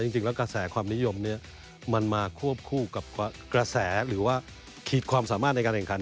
จริงแล้วกระแสความนิยมนี้มันมาควบคู่กับกระแสหรือว่าขีดความสามารถในการแข่งขัน